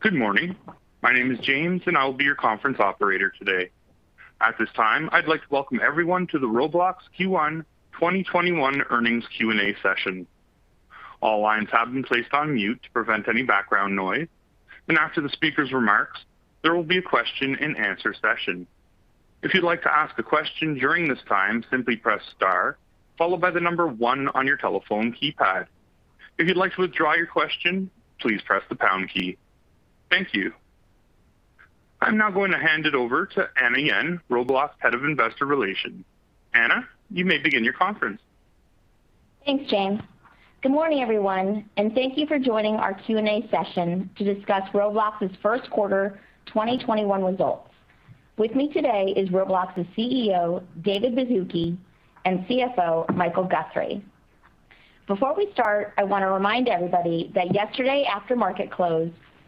Good morning. My name is James, and I will be your conference operator today. At this time, I'd like to welcome everyone to the Roblox Q1 2021 Earnings Q&A session. All lines have been placed on mute to prevent any background noise, and after the speaker's remarks, there will be a question and answer session. If you'd like to ask a question during this time, simply press star, followed by the number one on your telephone keypad. If you'd like to withdraw your question, please press the pound key. Thank you. I'm now going to hand it over to Anna Yen, Roblox Head of Investor Relations. Anna, you may begin your conference. Thanks, James. Good morning, everyone, and thank you for joining our Q&A session to discuss Roblox's first quarter 2021 results. With me today is Roblox's CEO, David Baszucki, and CFO, Michael Guthrie. Before we start, I want to remind everybody that yesterday, after market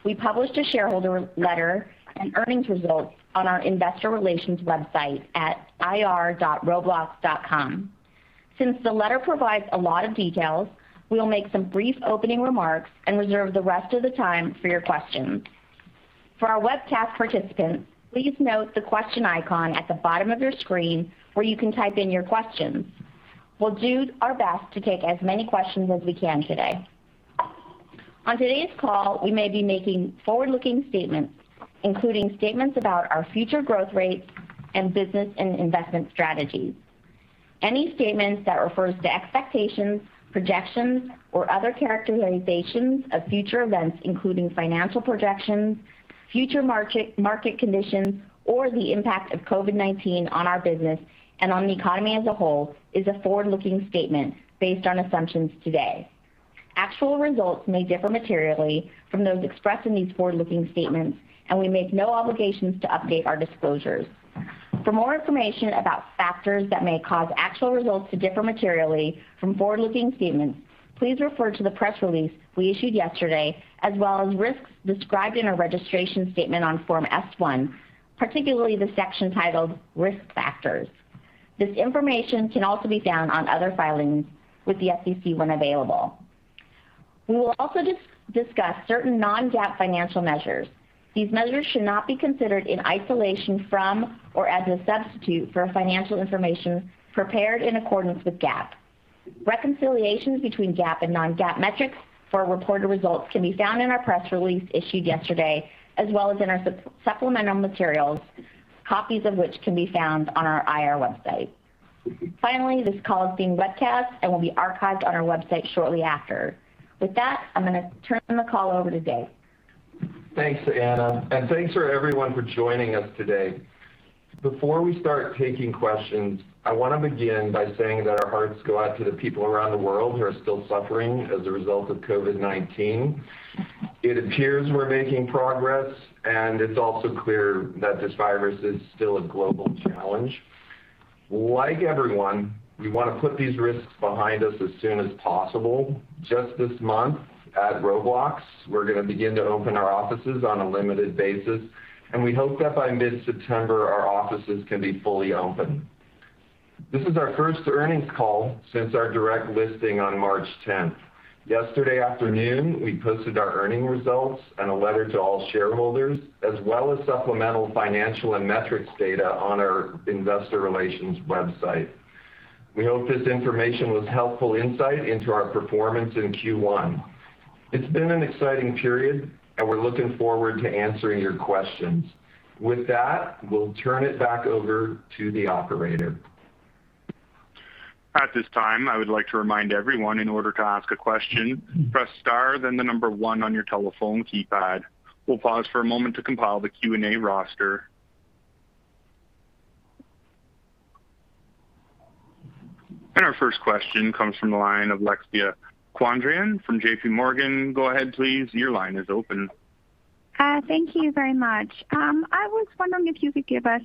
close, we published a shareholder letter and earnings results on our investor relations website at ir.roblox.com. Since the letter provides a lot of details, we'll make some brief opening remarks and reserve the rest of the time for your questions. For our webcast participants, please note the question icon at the bottom of your screen where you can type in your questions. We'll do our best to take as many questions as we can today. On today's call, we may be making forward-looking statements, including statements about our future growth rates and business and investment strategies. Any statements that refers to expectations, projections, or other characterizations of future events, including financial projections, future market conditions, or the impact of COVID-19 on our business and on the economy as a whole, is a forward-looking statement based on assumptions today. Actual results may differ materially from those expressed in these forward-looking statements, and we make no obligations to update our disclosures. For more information about factors that may cause actual results to differ materially from forward-looking statements, please refer to the press release we issued yesterday, as well as risks described in our registration statement on Form S-1, particularly the section titled Risk Factors. This information can also be found on other filings with the SEC when available. We will also discuss certain non-GAAP financial measures. These measures should not be considered in isolation from or as a substitute for financial information prepared in accordance with GAAP. Reconciliations between GAAP and non-GAAP metrics for reported results can be found in our press release issued yesterday, as well as in our supplemental materials, copies of which can be found on our IR website. Finally, this call is being webcast and will be archived on our website shortly after. With that, I'm going to turn the call over to Dave. Thanks, Anna, and thanks for everyone for joining us today. Before we start taking questions, I want to begin by saying that our hearts go out to the people around the world who are still suffering as a result of COVID-19. It appears we're making progress, and it's also clear that this virus is still a global challenge. Like everyone, we want to put these risks behind us as soon as possible. Just this month at Roblox, we're going to begin to open our offices on a limited basis, and we hope that by mid-September, our offices can be fully open. This is our first earnings call since our direct listing on March 10th. Yesterday afternoon, we posted our earning results and a letter to all shareholders, as well as supplemental financial and metrics data on our investor relations website. We hope this information was helpful insight into our performance in Q1. It's been an exciting period, and we're looking forward to answering your questions. With that, we'll turn it back over to the operator. At this time, I would like to remind everyone in order to ask a question, press star, then the number one on your telephone keypad. We'll pause for a moment to compile the Q&A roster. Our first question comes from the line of Alexia Quadrani from JPMorgan. Thank you very much. I was wondering if you could give us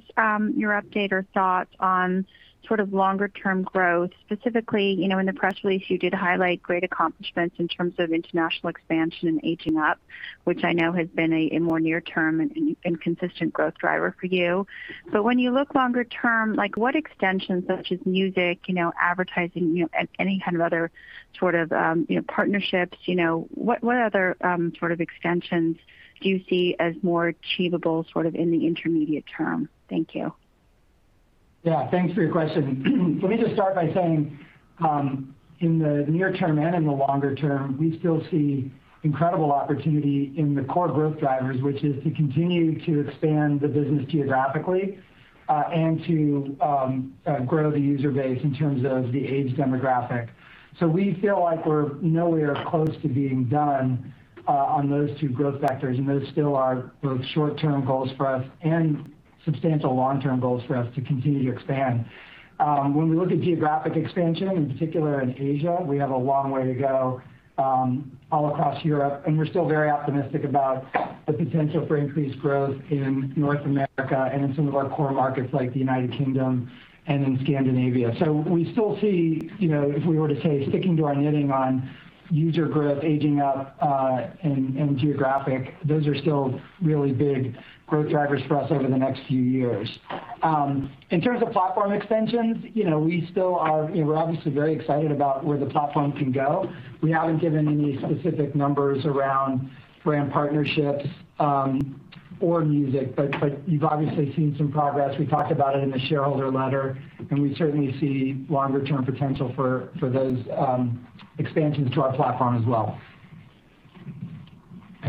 your update or thoughts on sort of longer term growth. Specifically, in the press release, you did highlight great accomplishments in terms of international expansion and aging up, which I know has been a more near term and consistent growth driver for you. When you look longer term, what extensions such as music, advertising, any kind of other sort of partnerships, what other sort of extensions do you see as more achievable sort of in the intermediate term? Thank you. Yeah, thanks for your question. Let me just start by saying, in the near term and in the longer term, we still see incredible opportunity in the core growth drivers, which is to continue to expand the business geographically, and to grow the user base in terms of the age demographic. We feel like we're nowhere close to being done on those two growth factors, and those still are both short-term goals for us and substantial long-term goals for us to continue to expand. When we look at geographic expansion, in particular in Asia, we have a long way to go all across Europe, and we're still very optimistic about the potential for increased growth in North America and in some of our core markets like the United Kingdom and in Scandinavia. We still see, if we were to say sticking to our knitting on user growth, aging up, and geographic, those are still really big growth drivers for us over the next few years. In terms of platform extensions, we're obviously very excited about where the platform can go. We haven't given any specific numbers around brand partnerships. Music, but you've obviously seen some progress. We talked about it in the shareholder letter, and we certainly see longer-term potential for those expansions to our platform as well.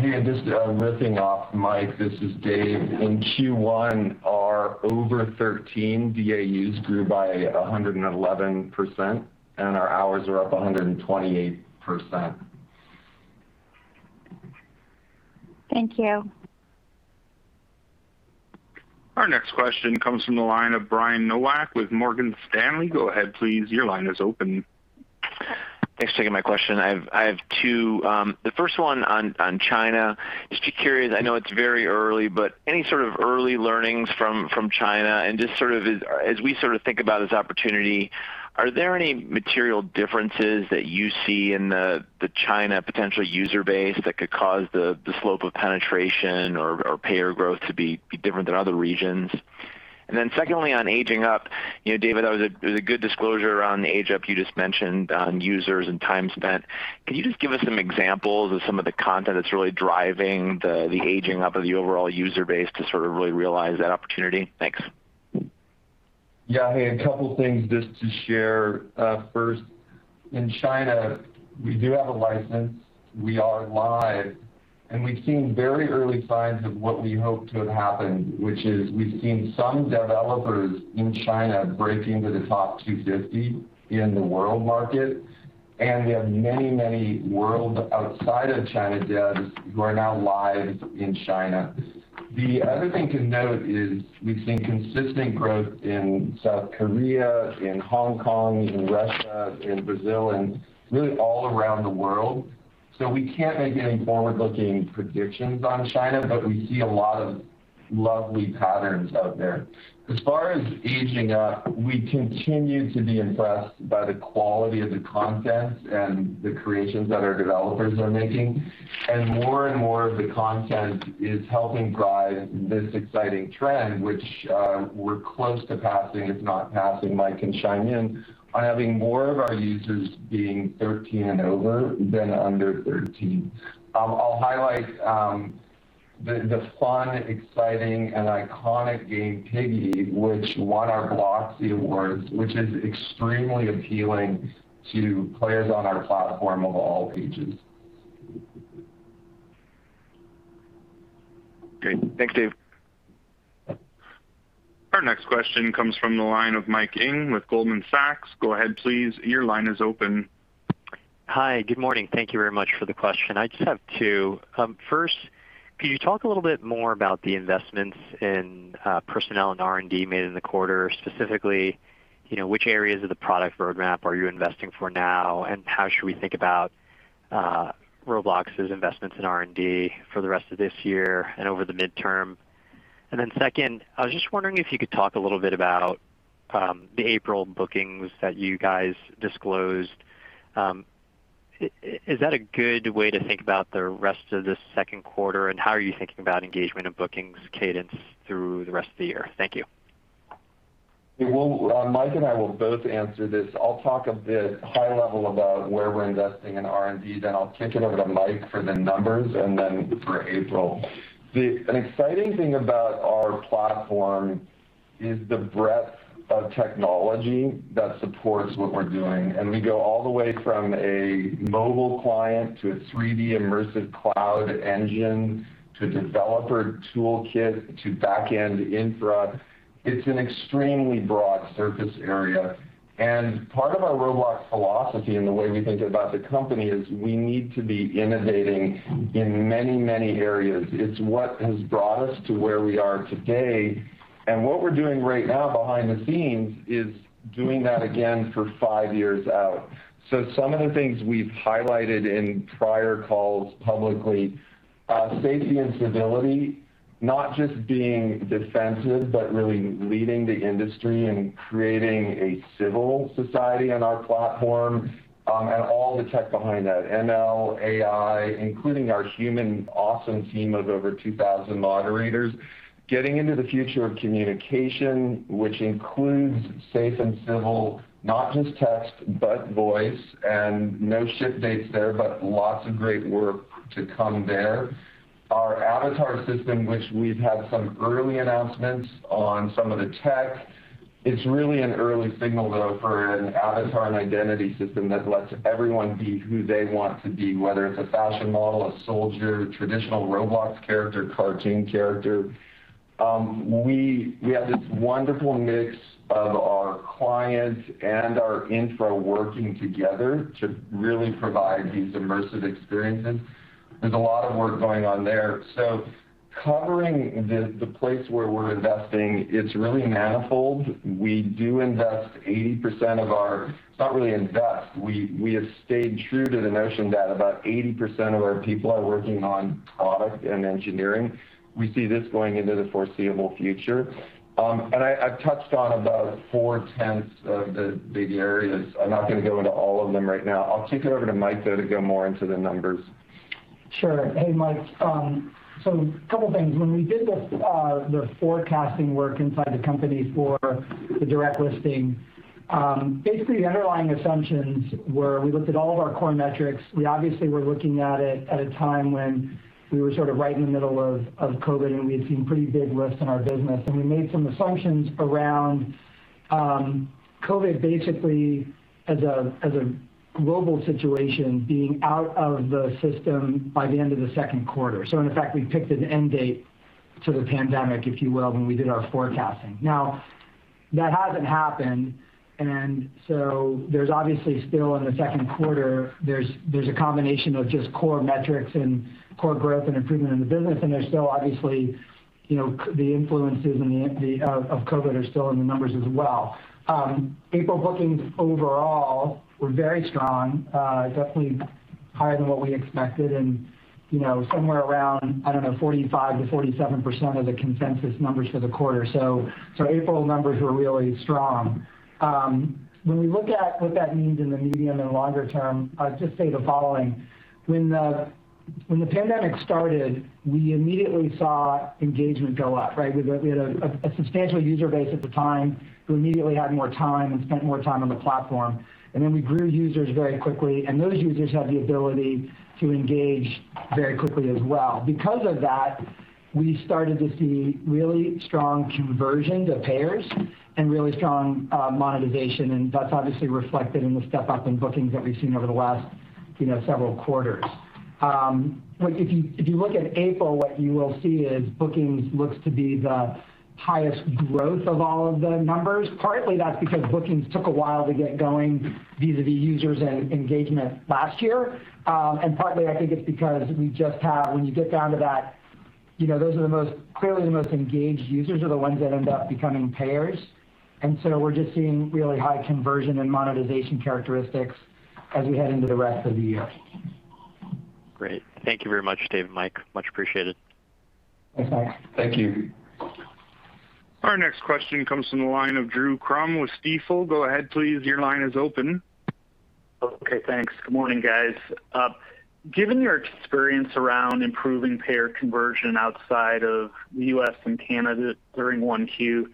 Hey, just riffing off Mike, this is David. In Q1, our over 13 DAUs grew by 111%, and our hours are up 128%. Thank you. Our next question comes from the line of Brian Nowak with Morgan Stanley. Go ahead, please. Your line is open. Thanks for taking my question. I have two. The first one on China. Just curious, I know it's very early, but any sort of early learnings from China and just as we sort of think about this opportunity, are there any material differences that you see in the China potential user base that could cause the slope of penetration or payer growth to be different than other regions? Secondly, on aging up, David, that was a good disclosure around the age up you just mentioned on users and time spent. Can you just give us some examples of some of the content that's really driving the aging up of the overall user base to sort of really realize that opportunity? Thanks. Yeah. Hey, a couple things just to share. First, in China, we do have a license. We are live, and we've seen very early signs of what we hope to have happen, which is we've seen some developers in China break into the top 250 in the world market, and we have many, many world outside of China devs who are now live in China. The other thing to note is we've seen consistent growth in South Korea, in Hong Kong, in Russia, in Brazil, and really all around the world. We can't make any forward-looking predictions on China, but we see a lot of lovely patterns out there. As far as aging up, we continue to be impressed by the quality of the content and the creations that our developers are making. More and more of the content is helping drive this exciting trend, which we're close to passing, if not passing, Mike can chime in, on having more of our users being 13 and over than under 13. I'll highlight the fun, exciting, and iconic game Piggy, which won our Bloxy Awards, which is extremely appealing to players on our platform of all ages. Great. Thanks, Dave. Our next question comes from the line of Mike Ng with Goldman Sachs. Go ahead, please. Hi. Good morning. Thank you very much for the question. I just have two. First, could you talk a little bit more about the investments in personnel and R&D made in the quarter, specifically which areas of the product roadmap are you investing for now, and how should we think about Roblox's investments in R&D for the rest of this year and over the midterm? Second, I was just wondering if you could talk a little bit about the April bookings that you guys disclosed. Is that a good way to think about the rest of this second quarter, and how are you thinking about engagement and bookings cadence through the rest of the year? Thank you. Mike and I will both answer this. I'll talk a bit high level about where we're investing in R&D, then I'll kick it over to Mike for the numbers and then for April. An exciting thing about our platform is the breadth of technology that supports what we're doing, and we go all the way from a mobile client to a 3D immersive cloud engine to developer toolkit to back-end infra. It's an extremely broad surface area, and part of our Roblox philosophy and the way we think about the company is we need to be innovating in many, many areas. It's what has brought us to where we are today, and what we're doing right now behind the scenes is doing that again for five years out. Some of the things we've highlighted in prior calls publicly, safety and civility, not just being defensive, but really leading the industry and creating a civil society on our platform, and all the tech behind that, ML, AI, including our human awesome team of over 2,000 moderators. Getting into the future of communication, which includes safe and civil, not just text, but voice, and no ship dates there, but lots of great work to come there. Our avatar system, which we've had some early announcements on some of the tech. It's really an early signal, though, for an avatar and identity system that lets everyone be who they want to be, whether it's a fashion model, a soldier, traditional Roblox character, cartoon character. We have this wonderful mix of our clients and our infra working together to really provide these immersive experiences. There's a lot of work going on there. Covering the place where we're investing, it's really manifold. We do invest 80% of our. We have stayed true to the notion that about 80% of our people are working on product and engineering. We see this going into the foreseeable future. I've touched on about four-tenths of the big areas. I'm not going to go into all of them right now. I'll kick it over to Mike, though, to go more into the numbers. Sure. Hey, Mike. A couple of things. When we did the forecasting work inside the company for the direct listing, basically underlying assumptions were we looked at all of our core metrics. We obviously were looking at it at a time when we were right in the middle of COVID, and we had seen pretty big lifts in our business. We made some assumptions around COVID, basically as a global situation, being out of the system by the end of the second quarter. In fact, we picked an end date for the pandemic, if you will, when we did our forecasting. Now, that hasn't happened, there's obviously still in the second quarter, there's a combination of just core metrics and core growth and improvement in the business. There's still obviously, the influences of COVID are still in the numbers as well. April bookings overall were very strong, definitely higher than what we expected and somewhere around, I don't know, 45%-47% of the consensus numbers for the quarter. April numbers were really strong. When we look at what that means in the medium and the longer term, I'll just say the following. When the pandemic started, we immediately saw engagement go up, right? We had a substantial user base at the time who immediately had more time and spent more time on the platform. We grew users very quickly, and those users have the ability to engage very quickly as well. We started to see really strong conversion to payers and really strong monetization, and that's obviously reflected in the step-up in bookings that we've seen over the last several quarters. If you look at April, what you will see is bookings looks to be the highest growth of all of the numbers. Partly, that's because bookings took a while to get going due to the users and engagement last year. Partly, I think it's because when you get down to that, clearly the most engaged users are the ones that end up becoming payers. So we're just seeing really high conversion and monetization characteristics as we head into the rest of the year. Great. Thank you very much, Dave and Mike. Much appreciated. No problem. Thank you. Our next question comes from the line of Drew Crum with Stifel. Go ahead, please. Okay. Thanks. Good morning, guys. Given your experience around improving payer conversion outside of U.S. and Canada during 1Q,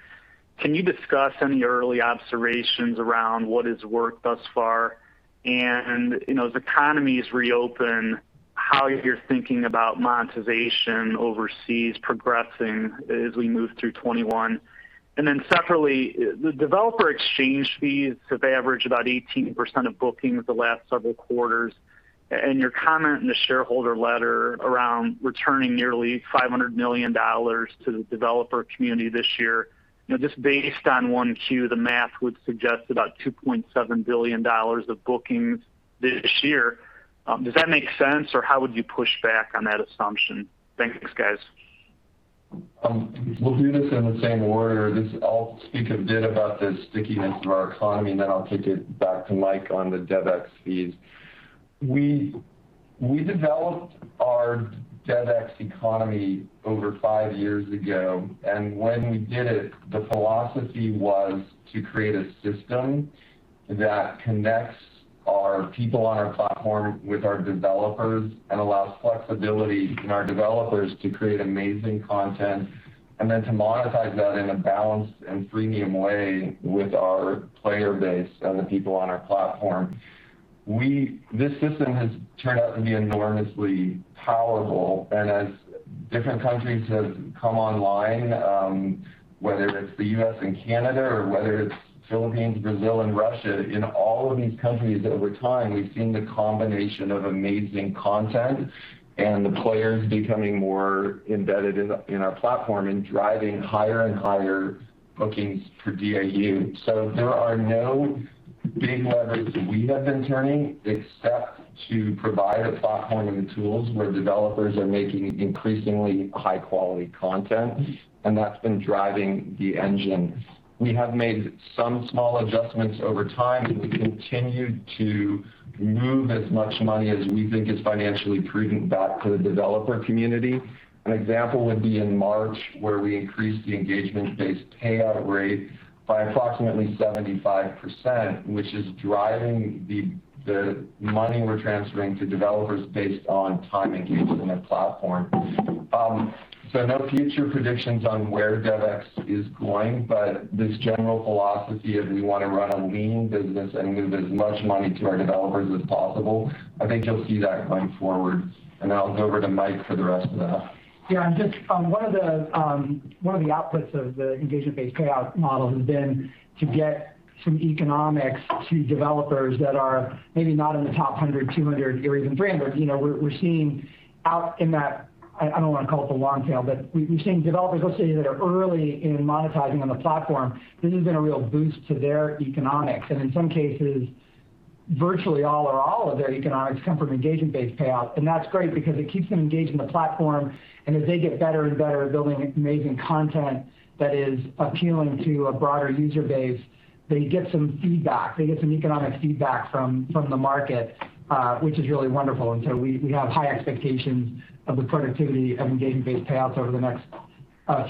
can you discuss any early observations around what has worked thus far? As economies reopen, how you're thinking about monetization overseas progressing as we move through 2021. Separately, the Developer Exchange fees have averaged about 18% of bookings the last several quarters. Your comment in the shareholder letter around returning nearly $500 million to the developer community this year. Just based on 1Q, the math would suggest about $2.7 billion of bookings this year. Does that make sense, or how would you push back on that assumption? Thanks, guys. We'll do this in the same order. I'll speak a bit about the stickiness of our economy, and then I'll kick it back to Mike on the DevEx fees. We developed our DevEx economy over five years ago, and when we did it, the philosophy was to create a system that connects our people on our platform with our developers and allows flexibility in our developers to create amazing content and then to monetize that in a balanced and freemium way with our player base and the people on our platform. This system has turned out to be enormously powerful. As different countries have come online, whether it's the U.S. and Canada or whether it's Philippines, Brazil, and Russia, in all of these countries over time, we've seen the combination of amazing content and the players becoming more embedded in our platform and driving higher and higher bookings per DAU. There are no big levers that we have been turning except to provide a platform and the tools where developers are making increasingly high-quality content, and that's been driving the engine. We have made some small adjustments over time, but we continue to move as much money as we think is financially prudent back to the developer community. An example would be in March, where we increased the engagement-based payout rate by approximately 75%, which is driving the money we're transferring to developers based on time engaged on the platform. No future predictions on where DevEx is going, but this general philosophy of we want to run a lean business and move as much money to our developers as possible, I think you'll see that going forward. I'll go over to Mike for the rest of that. Just one of the outputs of the engagement-based payout model has been to get some economics to developers that are maybe not in the top 100, 200 or even 300. We're seeing out in that, I don't want to call it the long tail, but we've seen developers who are sitting there early in monetizing on the platform. This has been a real boost to their economics, and in some cases, virtually all or all of their economics come from engagement-based payout. That's great because it keeps them engaged in the platform, and as they get better and better at building amazing content that is appealing to a broader user base, they get some feedback. They get some economic feedback from the market, which is really wonderful. We have high expectations of the productivity of engagement-based payouts over the next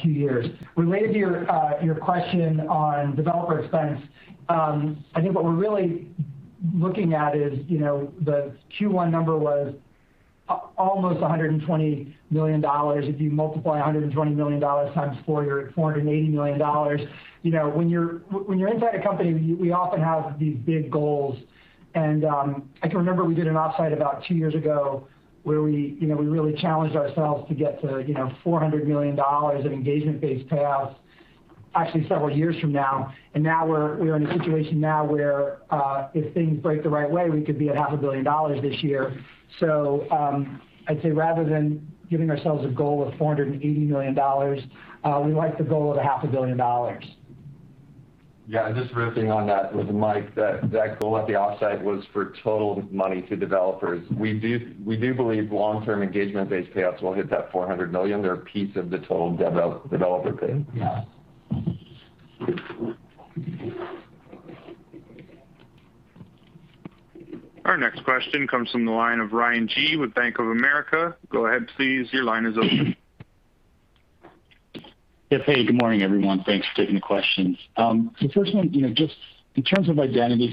few years. Related to your question on developer expense, I think what we're really looking at is the Q1 number was almost $120 million. If you multiply $120 million times four, you're at $480 million. When you're inside a company, we often have these big goals. I can remember we did an offsite about two years ago where we really challenged ourselves to get to $400 million of engagement-based payouts actually several years from now. We're in a situation now where if things break the right way, we could be at $500 million this year. I'd say rather than giving ourselves a goal of $480 million, we like the goal of $500 million. Just riffing on that with Mike, that goal at the offsite was for total money to developers. We do believe long-term engagement-based payouts will hit that $400 million. They're a piece of the total developer pay. Yeah. Our next question comes from the line of Ryan Gee with Bank of America. Go ahead, please. Yes. Hey, good morning, everyone. Thanks for taking the questions. First one, just in terms of identity,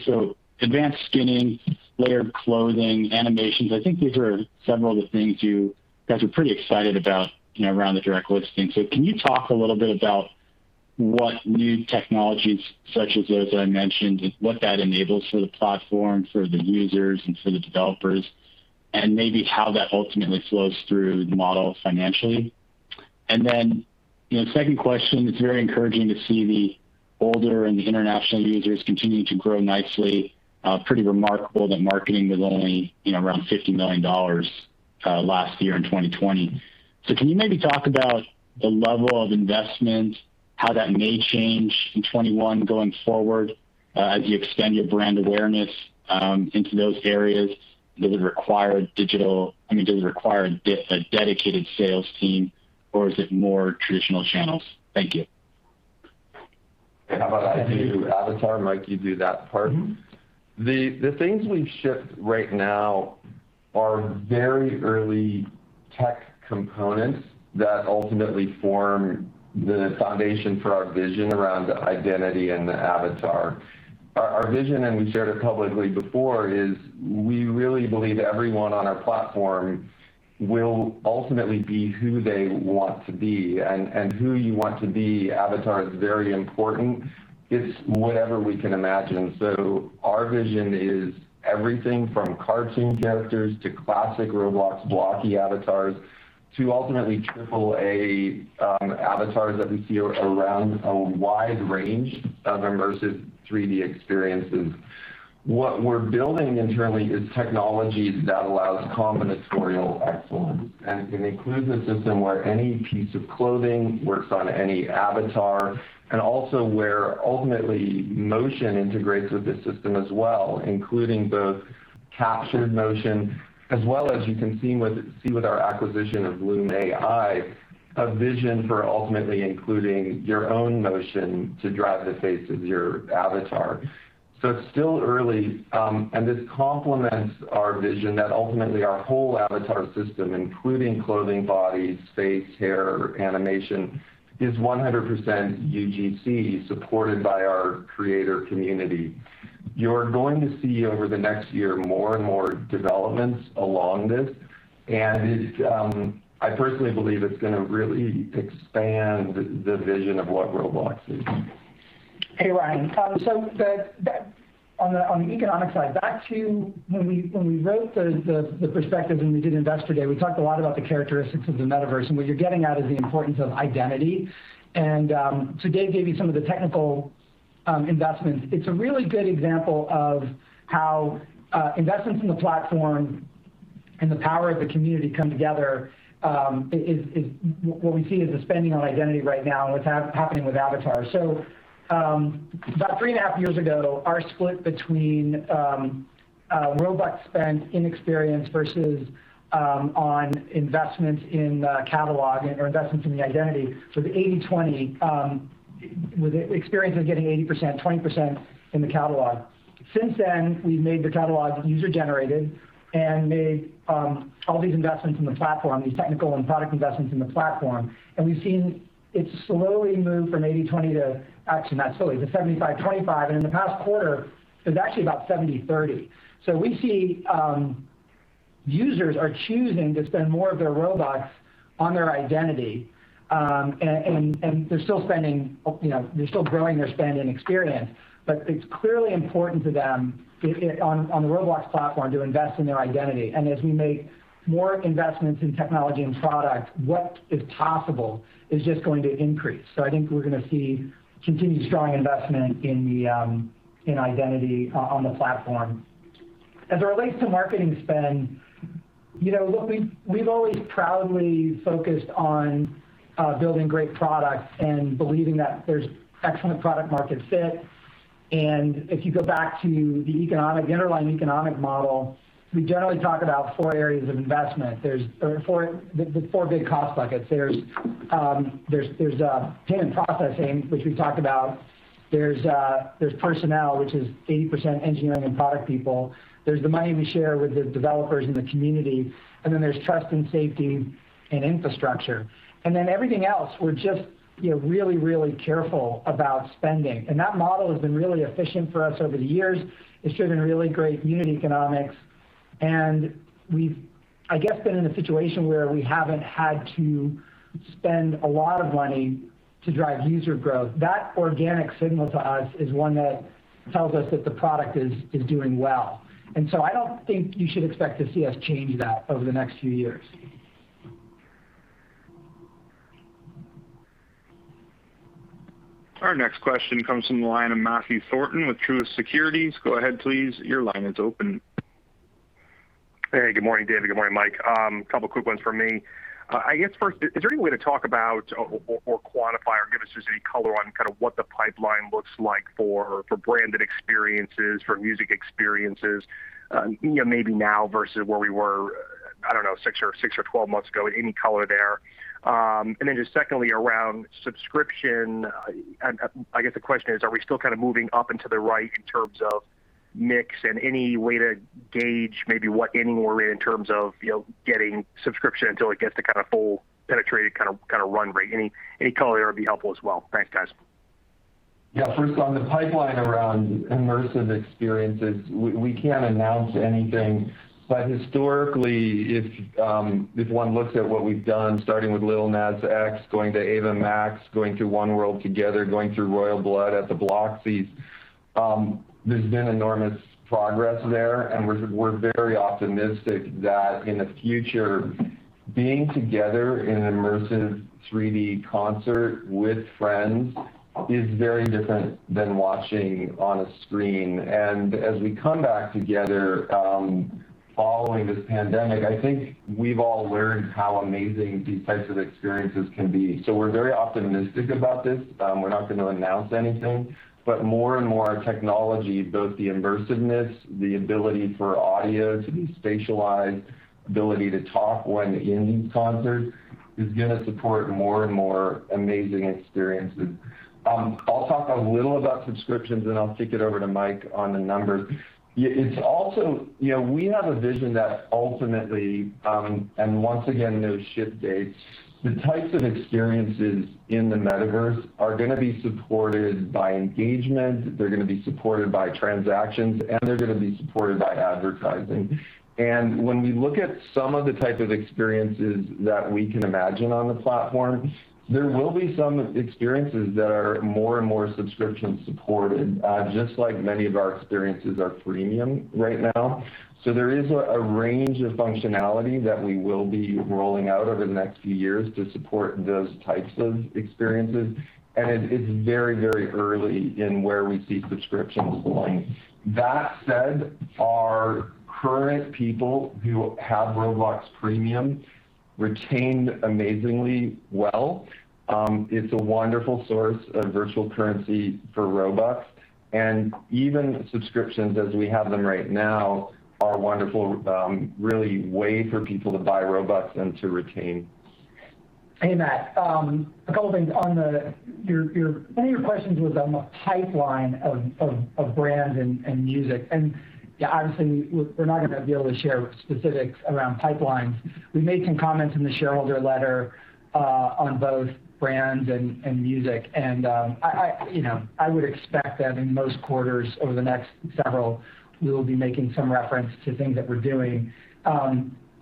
advanced skinning, layered clothing, animations, I think these are several of the things you guys are pretty excited about around the direct listing. Can you talk a little bit about what new technologies such as those that I mentioned and what that enables for the platform, for the users, and for the developers, and maybe how that ultimately flows through the model financially? Second question, it's very encouraging to see the older and the international users continue to grow nicely. Pretty remarkable that marketing was only around $50 million last year in 2020. Can you maybe talk about the level of investment, how that may change in 2021 going forward as you extend your brand awareness into those areas? Does it require a dedicated sales team, or is it more traditional channels? Thank you. How about I do avatar, Mike, you do that part? The things we've shipped right now are very early tech components that ultimately form the foundation for our vision around identity and the avatar. Our vision, and we shared it publicly before, is we really believe everyone on our platform will ultimately be who they want to be. Who you want to be avatar is very important. It's whatever we can imagine. Our vision is everything from cartoon characters to classic Roblox blocky avatars, to ultimately AAA avatars that we see around a wide range of immersive 3D experiences. What we're building internally is technologies that allows combinatorial excellence and can include the system where any piece of clothing works on any avatar, and also where ultimately motion integrates with the system as well, including both captured motion as well as you can see with our acquisition of Loom.ai, a vision for ultimately including your own motion to drive the face of your avatar. It's still early, and this complements our vision that ultimately our whole avatar system, including clothing, bodies, face, hair, animation, is 100% UGC supported by our creator community. You're going to see over the next year, more and more developments along this, and I personally believe it's going to really expand the vision of what Roblox is. Hey, Ryan. On the economic side, back to when we wrote the prospectus and we did Investor Day, we talked a lot about the characteristics of the metaverse, and what you're getting at is the importance of identity. Dave gave you some of the technical investments. It's a really good example of how investments in the platform and the power of the community come together is what we see as a spending on identity right now and what's happening with avatars. About three and a half years ago, our split between Robux spend in experience versus on investments in the catalog or investments in the identity. The 80/20, with experience was getting 80%, 20% in the catalog. Since then, we've made the catalog user-generated and made all these investments in the platform, these technical and product investments in the platform. We've seen it slowly move from 80/20 to 75/25. In the past quarter, it was actually about 70/30. We see users are choosing to spend more of their Robux on their identity. They're still growing their spend and experience, but it's clearly important to them on the Roblox platform to invest in their identity. As we make more investments in technology and product, what is possible is just going to increase. I think we're going to see continued strong investment in identity on the platform. As it relates to marketing spend, we've always proudly focused on building great products and believing that there's excellent product market fit. If you go back to the underlying economic model, we generally talk about four areas of investment. The four big cost buckets. There's payment processing, which we talked about. There's personnel, which is 80% engineering and product people. There's the money we share with the developers in the community, there's trust and safety and infrastructure. Everything else, we're just really, really careful about spending. That model has been really efficient for us over the years. It's driven really great unit economics. We've, I guess, been in a situation where we haven't had to spend a lot of money to drive user growth. That organic signal to us is one that tells us that the product is doing well. I don't think you should expect to see us change that over the next few years. Our next question comes from the line of Matthew Thornton with Truist Securities. Go ahead, please. Your line is open. Hey, good morning, David. Good morning, Mike. A couple of quick ones from me. I guess first, is there any way to talk about or quantify or give us just any color on kind of what the pipeline looks like for branded experiences, for music experiences, maybe now versus where we were, I don't know, six or 12 months ago? Any color there. Just secondly, around subscription, I guess the question is, are we still kind of moving up and to the right in terms of mix and any way to gauge maybe what any more rate in terms of getting subscription until it gets to kind of full penetrated kind of run rate? Any color there would be helpful as well. Thanks, guys. Yeah. First, on the pipeline around immersive experiences, we can't announce anything. Historically, if one looks at what we've done, starting with Lil Nas X, going to Ava Max, going through One World Together, going through Royal Blood at the Bloxys, there's been enormous progress there. We're very optimistic that in the future, being together in an immersive 3D concert with friends is very different than watching on a screen. As we come back together following this pandemic, I think we've all learned how amazing these types of experiences can be. We're very optimistic about this. We're not going to announce anything, more and more technology, both the immersiveness, the ability for audio to be spatialized, ability to talk when in these concerts, is going to support more and more amazing experiences. I'll talk a little about subscriptions, then I'll kick it over to Mike on the numbers. We have a vision that ultimately, once again, no ship dates, the types of experiences in the metaverse are going to be supported by engagement, they're going to be supported by transactions, and they're going to be supported by advertising. When we look at some of the type of experiences that we can imagine on the platform, there will be some experiences that are more and more subscription supported, just like many of our experiences are premium right now. There is a range of functionality that we will be rolling out over the next few years to support those types of experiences, and it's very early in where we see subscriptions lying. That said, our current people who have Roblox Premium retained amazingly well. It's a wonderful source of virtual currency for Robux, and even subscriptions as we have them right now are a wonderful really way for people to buy Robux and to retain. Hey, Matt. A couple things. One of your questions was on the pipeline of brand and music. Yeah, obviously, we're not going to be able to share specifics around pipelines. We made some comments in the shareholder letter on both brands and music, and I would expect that in most quarters over the next several, we will be making some reference to things that we're doing.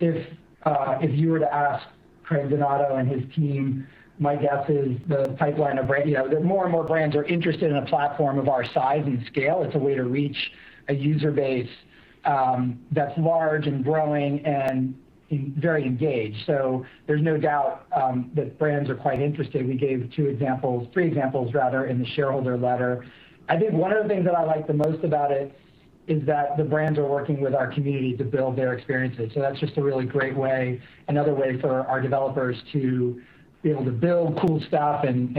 If you were to ask Craig Donato and his team, my guess is more and more brands are interested in a platform of our size and scale. It's a way to reach a user base that's large and growing and very engaged. There's no doubt that brands are quite interested. We gave two examples, three examples rather, in the shareholder letter. I think one of the things that I like the most about it is that the brands are working with our community to build their experiences, that's just a really great way, another way for our developers to be able to build cool stuff and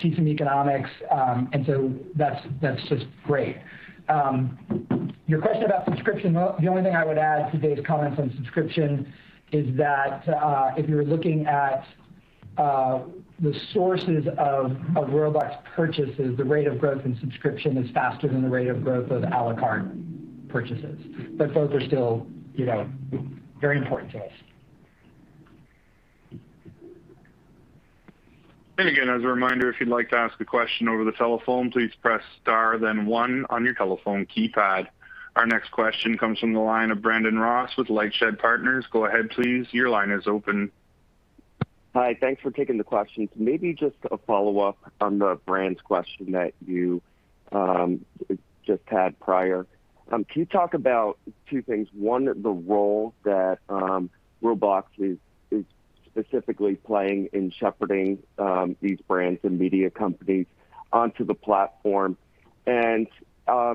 see some economics. That's just great. Your question about subscription, the only thing I would add to Dave's comments on subscription is that if you're looking at the sources of Robux purchases, the rate of growth in subscription is faster than the rate of growth of à la carte purchases. Both are still very important to us. Again, as a reminder, if you'd like to ask a question over the telephone, please press star then one on your telephone keypad. Our next question comes from the line of Brandon Ross with LightShed Partners. Go ahead, please. Your line is open. Hi. Thanks for taking the questions. Maybe just a follow-up on the brands question that you just had prior. Can you talk about two things, one, the role that Roblox is specifically playing in shepherding these brands and media companies onto the platform? As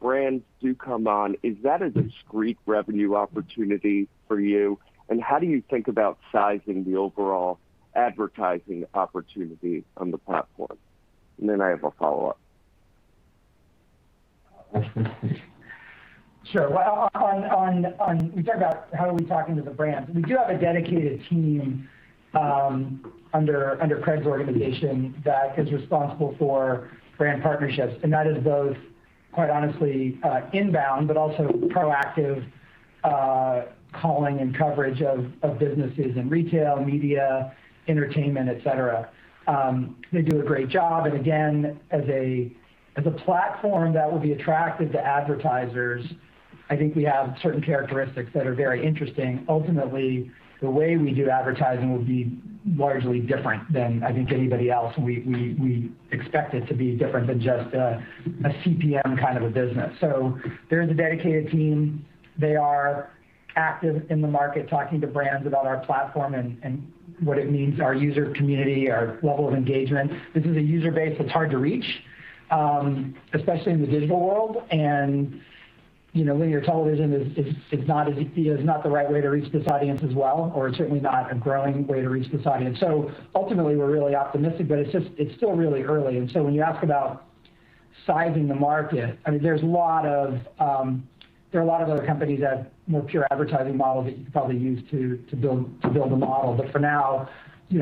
brands do come on, is that a discrete revenue opportunity for you? How do you think about sizing the overall advertising opportunity on the platform? Then I have a follow-up. Sure. We talked about how are we talking to the brands. We do have a dedicated team under Craig's organization that is responsible for brand partnerships, and that is both, quite honestly, inbound, but also proactive calling and coverage of businesses in retail, media, entertainment, et cetera. They do a great job, and again, as a platform that will be attractive to advertisers, I think we have certain characteristics that are very interesting. Ultimately, the way we do advertising will be largely different than I think anybody else. We expect it to be different than just a CPM kind of a business. They're the dedicated team. They are active in the market, talking to brands about our platform and what it means, our user community, our level of engagement. This is a user base that's hard to reach, especially in the digital world. Linear television is not the right way to reach this audience as well, or certainly not a growing way to reach this audience. Ultimately, we're really optimistic, but it's still really early. When you ask about sizing the market, there are a lot of other companies that more pure advertising model that you could probably use to build a model. For now,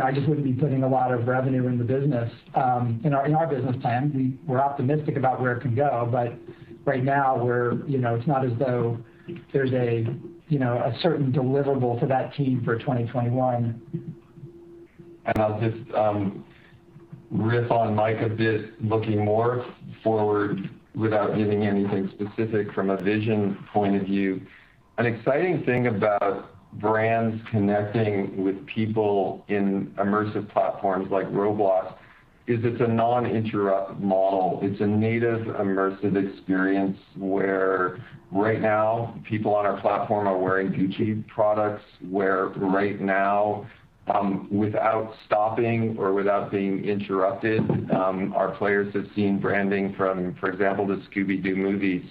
I just wouldn't be putting a lot of revenue in the business. In our business plan, we're optimistic about where it can go. Right now, it's not as though there's a certain deliverable to that team for 2021. I'll just riff on Mike a bit, looking more forward without giving anything specific from a vision point of view. An exciting thing about brands connecting with people in immersive platforms like Roblox is it's a non-interrupt model. It's a native immersive experience where right now, people on our platform are wearing Gucci products, where right now, without stopping or without being interrupted, our players have seen branding from, for example, the Scooby-Doo movie.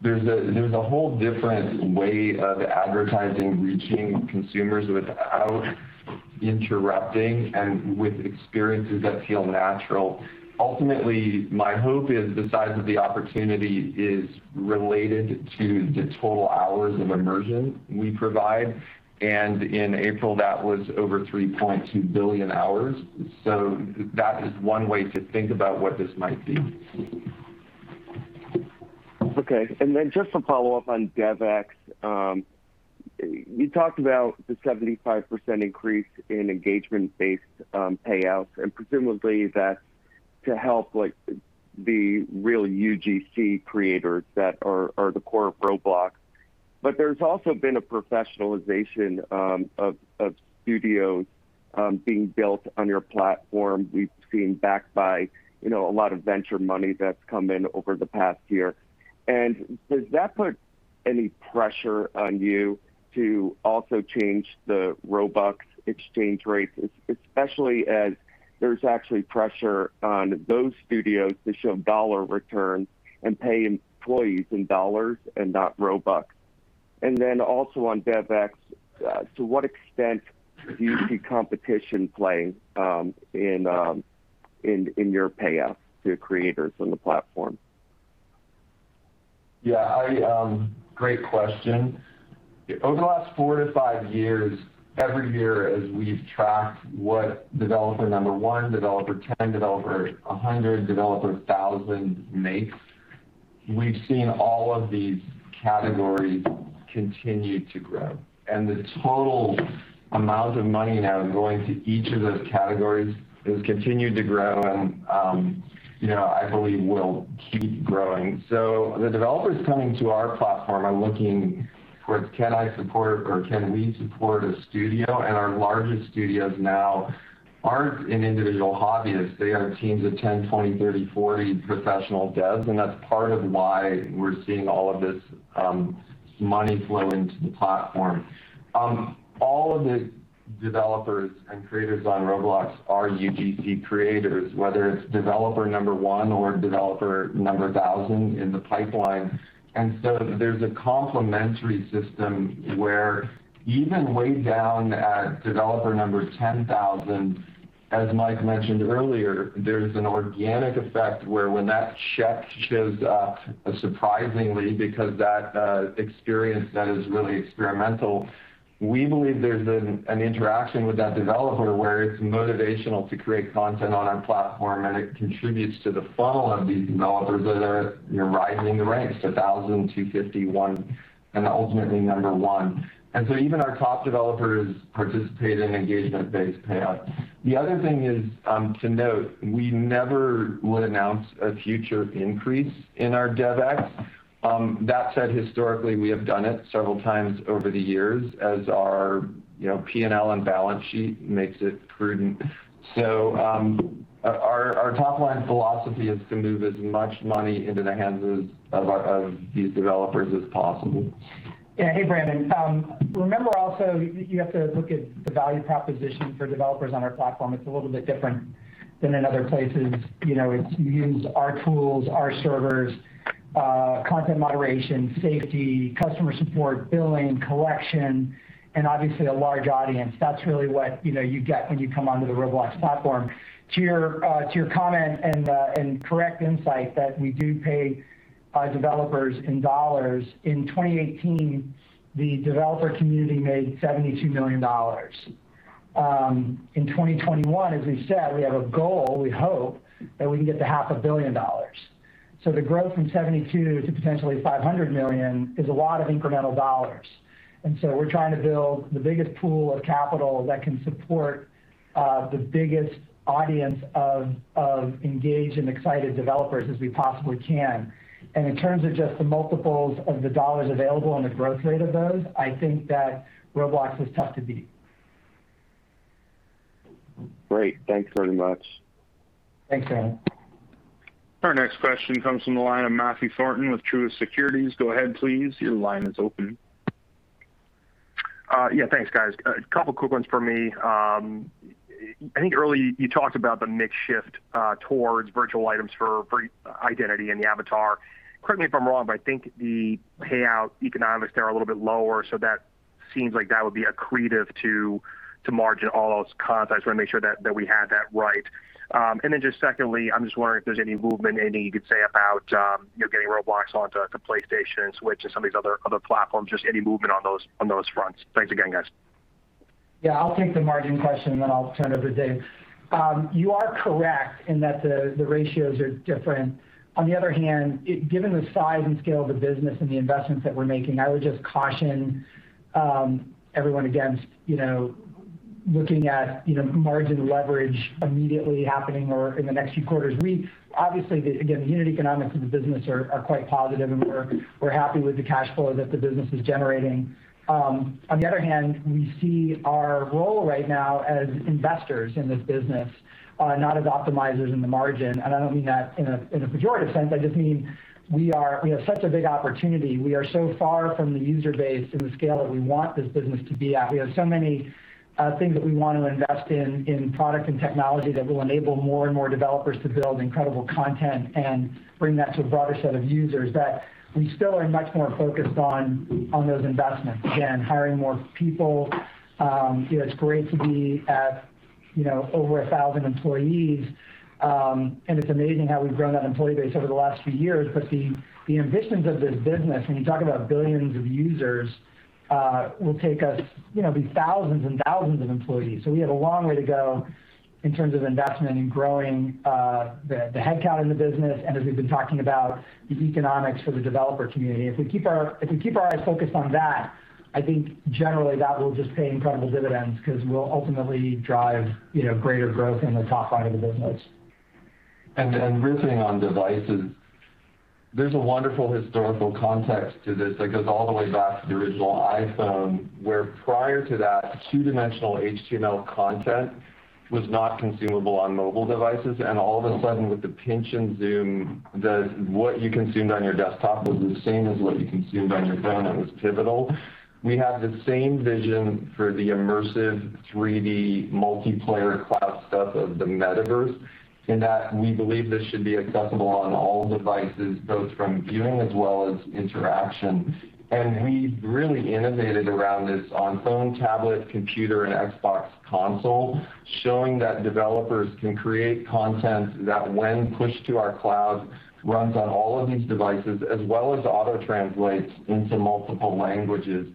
There's a whole different way of advertising, reaching consumers without interrupting and with experiences that feel natural. Ultimately, my hope is the size of the opportunity is related to the total hours of immersion we provide. In April, that was over 3.2 billion hours. That is one way to think about what this might be. Okay, just to follow up on DevEx. You talked about the 75% increase in engagement-based payouts, and presumably that's to help the real UGC creators that are the core of Roblox. There's also been a professionalization of studios being built on your platform. We've seen backed by a lot of venture money that's come in over the past year. Does that put any pressure on you to also change the Robux exchange rates, especially as there's actually pressure on those studios to show dollar returns and pay employees in dollars and not Robux? Also on DevEx, to what extent do you see competition playing in your payouts to creators on the platform? Great question. Over the last four to five years, every year as we've tracked what developer number one, developer 10, developer 100, developer 1,000 makes, we've seen all of these categories continue to grow. The total amount of money now going to each of those categories has continued to grow and I believe will keep growing. The developers coming to our platform are looking towards can I support or can we support a studio? Our largest studios now aren't an individual hobbyist. They are teams of 10, 20, 30, 40 professional devs, that's part of why we're seeing all of this money flow into the platform. All of the developers and creators on Roblox are UGC creators, whether it's developer number one or developer number 1,000 in the pipeline. There's a complementary system where even way down at developer number 10,000, as Mike mentioned earlier, there's an organic effect where when that check shows up surprisingly, because that experience that is really experimental, we believe there's an interaction with that developer where it's motivational to create content on our platform, and it contributes to the funnel of these developers that are rising the ranks 1,000, 250, one, and ultimately number one. Even our top developers participate in engagement-based payouts. The other thing is to note, we never would announce a future increase in our DevEx. That said, historically, we have done it several times over the years as our P&L and balance sheet makes it prudent. Our top-line philosophy is to move as much money into the hands of these developers as possible. Yeah. Hey, Brandon. Remember also, you have to look at the value proposition for developers on our platform. It's a little bit different than in other places. It's you use our tools, our servers, content moderation, safety, customer support, billing, collection, and obviously a large audience. That's really what you get when you come onto the Roblox platform. To your comment and correct insight that we do pay our developers in dollars, in 2018, the developer community made $72 million. In 2021, as we've said, we have a goal, we hope, that we can get to $500 million. The growth from $72 million to potentially $500 million is a lot of incremental dollars. We're trying to build the biggest pool of capital that can support the biggest audience of engaged and excited developers as we possibly can. In terms of just the multiples of the dollars available and the growth rate of those, I think that Roblox is tough to beat. Great. Thanks very much. Thanks, Brandon. Our next question comes from the line of Matthew Thornton with Truist Securities. Yeah, thanks, guys. A couple quick ones for me. I think early you talked about the mix shift towards virtual items for identity and the avatar. Correct me if I'm wrong, but I think the payout economics there are a little bit lower, so that seems like that would be accretive to margin, all else constant. I just want to make sure that we had that right. Just secondly, I'm just wondering if there's any movement, anything you could say about getting Roblox onto PlayStation, Switch, and some of these other platforms, just any movement on those fronts. Thanks again, guys. Yeah, I'll take the margin question and then I'll turn it over to Dave. You are correct in that the ratios are different. On the other hand, given the size and scale of the business and the investments that we're making, I would just caution everyone against looking at margin leverage immediately happening or in the next few quarters. Obviously, again, the unit economics of the business are quite positive and we're happy with the cash flow that the business is generating. On the other hand, we see our role right now as investors in this business, not as optimizers in the margin, and I don't mean that in a pejorative sense. I just mean we have such a big opportunity. We are so far from the user base and the scale that we want this business to be at. We have so many things that we want to invest in product and technology that will enable more and more developers to build incredible content and bring that to a broader set of users, that we still are much more focused on those investments. Again, hiring more people. It's great to be at over 1,000 employees, and it's amazing how we've grown that employee base over the last few years. The ambitions of this business, when you talk about billions of users, will be thousands and thousands of employees. We have a long way to go in terms of investment and growing the headcount in the business, and as we've been talking about, the economics for the developer community. If we keep our eyes focused on that, I think generally that will just pay incredible dividends because we'll ultimately drive greater growth in the top line of the business. Riffing on devices, there's a wonderful historical context to this that goes all the way back to the original iPhone, where prior to that, two-dimensional HTML content was not consumable on mobile devices, and all of a sudden with the pinch and zoom, what you consumed on your desktop was the same as what you consumed on your phone, and it was pivotal. We have the same vision for the immersive 3D multiplayer cloud stuff of the metaverse, in that we believe this should be accessible on all devices, both from viewing as well as interaction. We've really innovated around this on phone, tablet, computer, and Xbox console, showing that developers can create content that when pushed to our cloud, runs on all of these devices as well as auto-translates into multiple languages.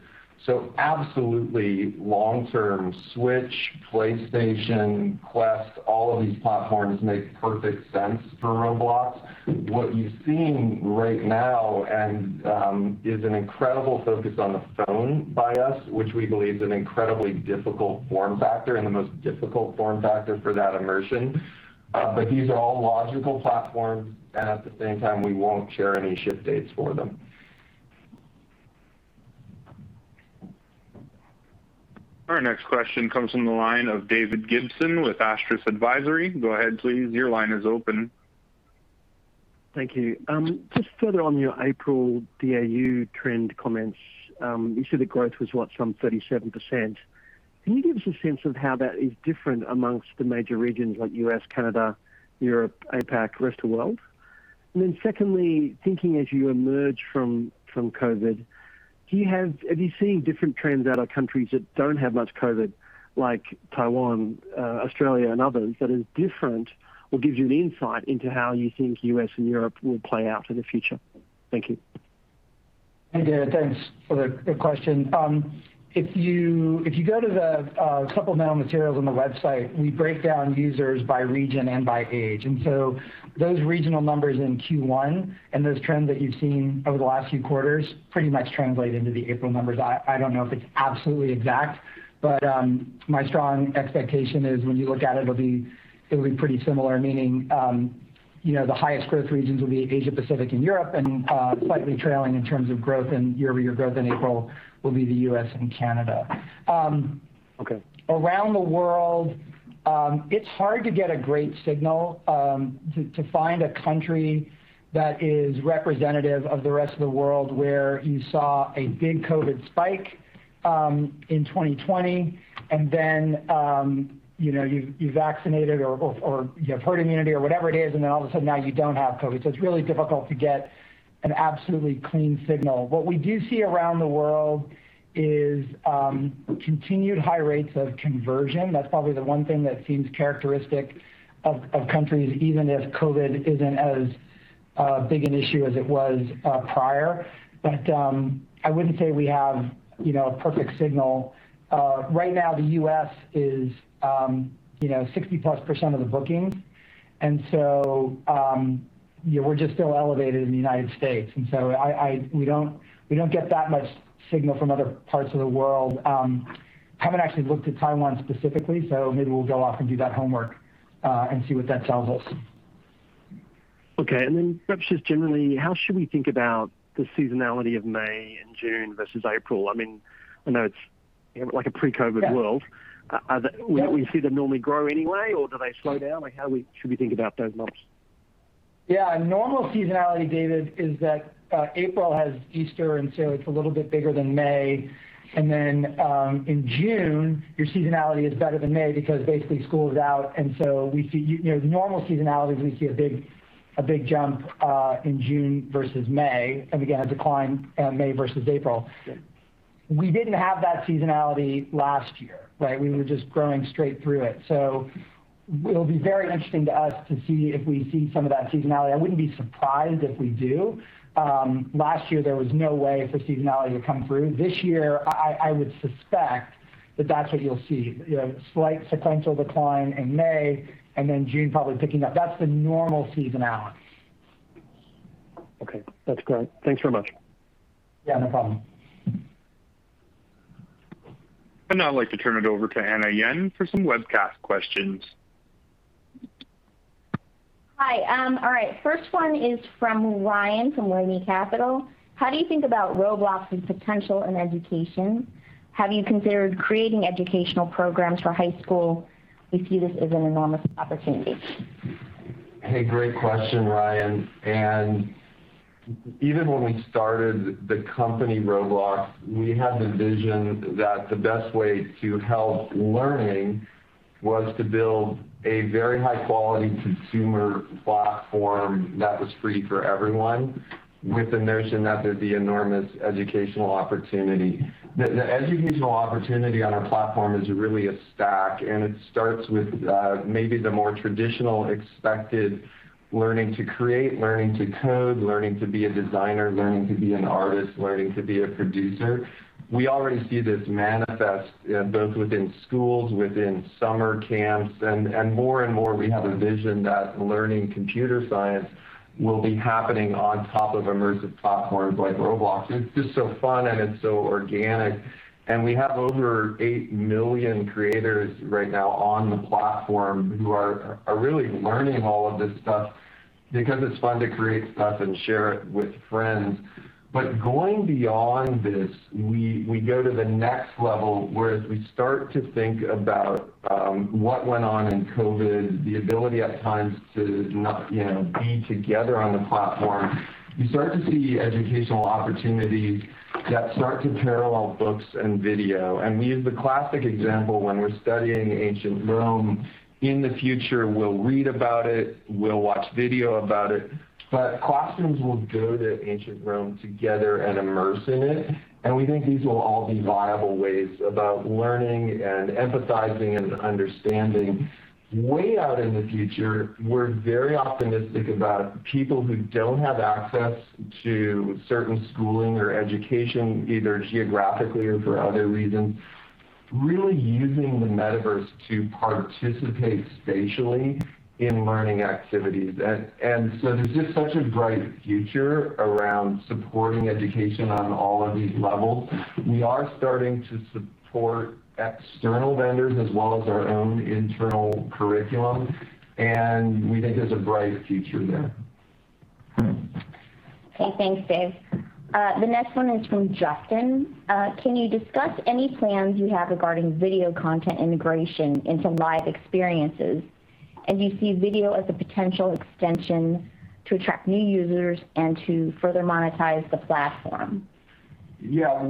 Absolutely long-term Switch, PlayStation, Quest, all of these platforms make perfect sense for Roblox. What you're seeing right now is an incredible focus on the phone by us, which we believe is an incredibly difficult form factor and the most difficult form factor for that immersion. These are all logical platforms, and at the same time, we won't share any ship dates for them. Our next question comes from the line of David Gibson with Astris Advisory. Go ahead, please. Your line is open. Thank you. Just further on your April DAU trend comments. You said the growth was, what, some 37%? Can you give us a sense of how that is different amongst the major regions like U.S., Canada, Europe, APAC, rest of world? Secondly, thinking as you emerge from COVID, have you seen different trends out of countries that don't have much COVID, like Taiwan, Australia, and others, that is different or gives you an insight into how you think U.S. and Europe will play out in the future? Thank you. Hey, David. Thanks for the question. If you go to the supplemental materials on the website, we break down users by region and by age. Those regional numbers in Q1 and those trends that you've seen over the last few quarters pretty much translate into the April numbers. I don't know if it's absolutely exact, my strong expectation is when you look at it'll be pretty similar, meaning the highest growth regions will be Asia Pacific and Europe, slightly trailing in terms of growth and year-over-year growth in April will be the U.S. and Canada. Okay. Around the world, it's hard to get a great signal to find a country that is representative of the rest of the world where you saw a big COVID spike in 2020 and then you vaccinated or you have herd immunity or whatever it is, and then all of a sudden now you don't have COVID. It's really difficult to get an absolutely clean signal. What we do see around the world is continued high rates of conversion. That's probably the one thing that seems characteristic of countries, even if COVID isn't as big an issue as it was prior. I wouldn't say we have a perfect signal. Right now, the U.S. is 60% plus of the bookings, we're just still elevated in the United States, we don't get that much signal from other parts of the world. Haven't actually looked at Taiwan specifically, so maybe we'll go off and do that homework and see what that tells us. Perhaps just generally, how should we think about the seasonality of May and June versus April? I know it's like a pre-COVID world. We see them normally grow anyway, or do they slow down? How should we think about those months? Yeah. Normal seasonality, David, is that April has Easter, and so it's a little bit bigger than May. In June, your seasonality is better than May because basically school is out, and so in normal seasonality, we see a big jump in June versus May, and again, a decline in May versus April. We didn't have that seasonality last year, right? We were just growing straight through it. It'll be very interesting to us to see if we see some of that seasonality. I wouldn't be surprised if we do. Last year, there was no way for seasonality to come through. This year, I would suspect that that's what you'll see, a slight sequential decline in May, and then June probably picking up. That's the normal seasonality. Okay. That's great. Thanks very much. Yeah, no problem. Now I'd like to turn it over to Anna Yen for some webcast questions. Hi. All right. First one is from Ryan from Roney Capital. "How do you think about Roblox's potential in education? Have you considered creating educational programs for high school? We see this as an enormous opportunity. Hey, great question, Ryan. Even when we started the company, Roblox, we had the vision that the best way to help learning was to build a very high-quality consumer platform that was free for everyone, with the notion that there'd be enormous educational opportunity. The educational opportunity on our platform is really a stack, and it starts with maybe the more traditional expected learning to create, learning to code, learning to be a designer, learning to be an artist, learning to be a producer. We already see this manifest both within schools, within summer camps, and more and more we have a vision that learning computer science will be happening on top of immersive platforms like Roblox. It's just so fun and it's so organic, and we have over eight million creators right now on the platform who are really learning all of this stuff because it's fun to create stuff and share it with friends. Going beyond this, we go to the next level, where as we start to think about what went on in COVID-19, the ability at times to not be together on the platform, you start to see educational opportunities that start to parallel books and video. We use the classic example, when we're studying Ancient Rome, in the future, we'll read about it, we'll watch video about it, but classrooms will go to Ancient Rome together and immerse in it, and we think these will all be viable ways about learning and empathizing and understanding. Way out in the future, we're very optimistic about people who don't have access to certain schooling or education, either geographically or for other reasons, really using the metaverse to participate spatially in learning activities. There's just such a bright future around supporting education on all of these levels. We are starting to support external vendors as well as our own internal curriculum, and we think there's a bright future there. Okay. Thanks, Dave. The next one is from Justin. "Can you discuss any plans you have regarding video content integration into live experiences? Do you see video as a potential extension to attract new users and to further monetize the platform? Yeah.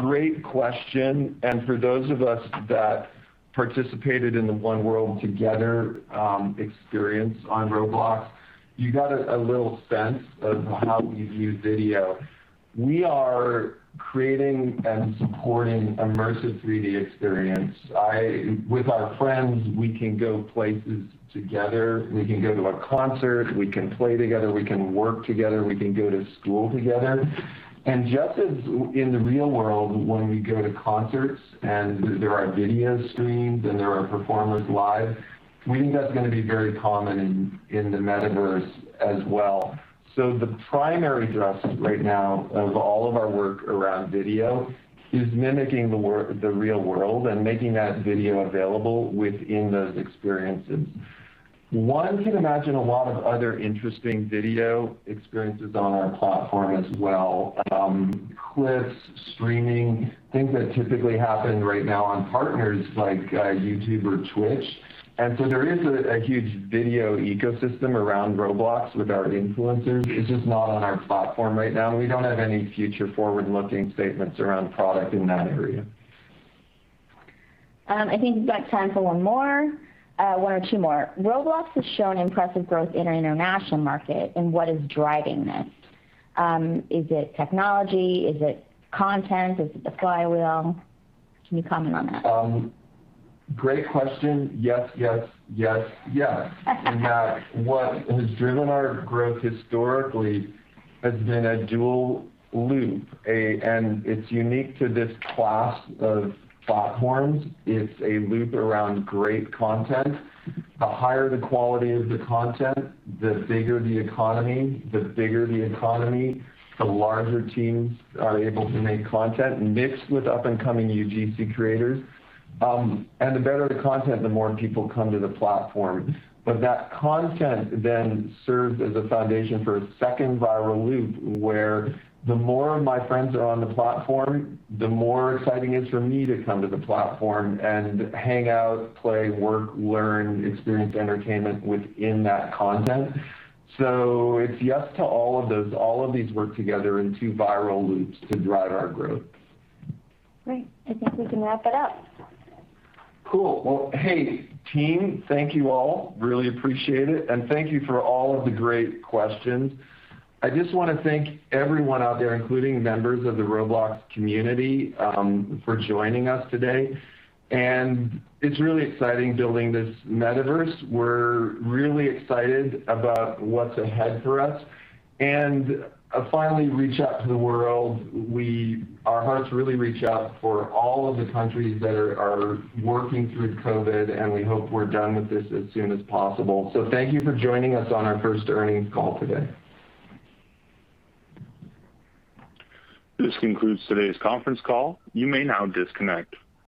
Great question. For those of us that participated in the One World Together experience on Roblox, you got a little sense of how we view video. We are creating and supporting immersive 3D experience. With our friends, we can go places together. We can go to a concert, we can play together, we can work together, we can go to school together. Just as in the real world, when we go to concerts and there are video screens and there are performers live, we think that's going to be very common in the metaverse as well. The primary thrust right now of all of our work around video is mimicking the real world and making that video available within those experiences. One can imagine a lot of other interesting video experiences on our platform as well. Clips, streaming, things that typically happen right now on partners like YouTube or Twitch. There is a huge video ecosystem around Roblox with our influencers. It's just not on our platform right now, and we don't have any future-forward-looking statements around product in that area. I think we've got time for one more. One or two more. Roblox has shown impressive growth in our international market, what is driving this? Is it technology? Is it content? Is it the flywheel? Can you comment on that? Great question. Yes. In that what has driven our growth historically has been a dual loop, and it's unique to this class of platforms. It's a loop around great content. The higher the quality of the content, the bigger the economy. The bigger the economy, the larger teams are able to make content mixed with up-and-coming UGC creators. The better the content, the more people come to the platform. That content then serves as a foundation for a second viral loop, where the more my friends are on the platform, the more exciting it is for me to come to the platform and hang out, play, work, learn, experience entertainment within that content. It's yes to all of those. All of these work together in two viral loops to drive our growth. Great. I think we can wrap it up. Cool. Well, hey, team, thank you all. Really appreciate it. Thank you for all of the great questions. I just want to thank everyone out there, including members of the Roblox community, for joining us today, and it's really exciting building this metaverse. We're really excited about what's ahead for us. Finally, reach out to the world. Our hearts really reach out for all of the countries that are working through COVID, and we hope we're done with this as soon as possible. Thank you for joining us on our first earnings call today. This concludes today's conference call. You may now disconnect.